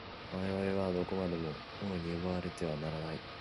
我々はどこまでも物に奪われてはならない。